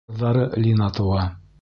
Ҡыҙҙары Лина тыуа.